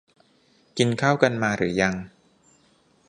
กินข้าวกันมาหรือยัง